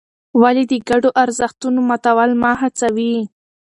ولې د ګډو ارزښتونو ماتول مه هڅوې؟